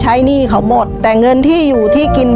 ชีวิตหนูเกิดมาเนี่ยอยู่กับดิน